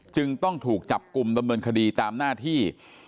จึงต้องถูกจับกลุ่มดำเนินคดีตามหน้าที่